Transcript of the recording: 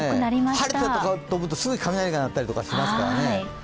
晴れたと思ったら、すぐに雷が鳴ったりしますからね。